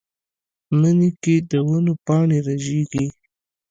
مني کې د ونو پاڼې ژیړیږي